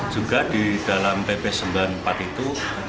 juga di dalam pp semban empat itu